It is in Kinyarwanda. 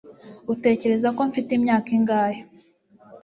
utekereza ko mfite imyaka ingahe